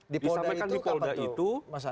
disampaikan di polda itu